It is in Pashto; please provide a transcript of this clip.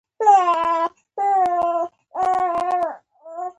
که غواړې دوستي دوام وکړي.